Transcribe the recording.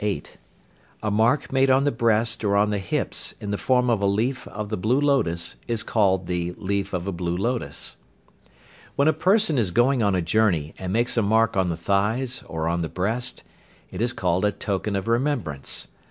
(8). A mark made on the breast or on the hips in the form of a leaf of the blue lotus, is called the "leaf of a blue lotus." When a person is going on a journey, and makes a mark on the thighs, or on the breast, it is called a "token of remembrance."